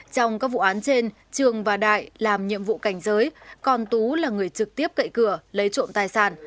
trong các vụ án trên trường và đại làm nhiệm vụ cảnh giới còn tú là người trực tiếp cậy cửa lấy trộm tài sản